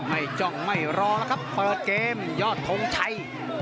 ไม่จ้องไม่รอครับเปิดเกมยอดธงชัย